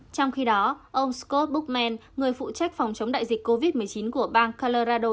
trong khi đó ông scott bookmen người phụ trách phòng chống đại dịch covid một mươi chín của bang calirado